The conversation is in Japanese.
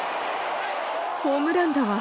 ホームランだわ。